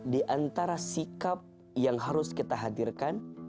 diantara sikap yang harus kita hadirkan